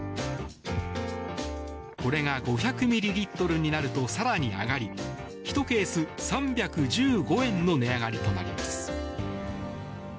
これが５００ミリリットルになると更に上がり、１ケース３１５円の値上がりとなります。